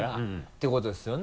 てことですよね？